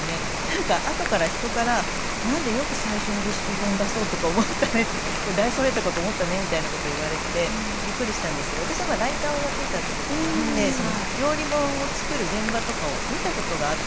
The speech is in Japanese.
何かあとから人から「何でよく最初にレシピ本出そうとか思ったね」って「大それたこと思ったね」みたいなこと言われてびっくりしたんですけど私ライターをやっていたっていうこともあって料理本を作る現場とかを見たことがあったんですね。